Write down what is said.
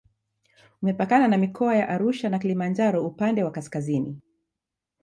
Umepakana na mikoa ya Arusha na Kilimanjaro upande wa kaskazini